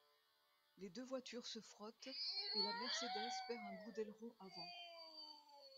Les deux voitures se frottent et la Mercedes perd un bout d'aileron avant.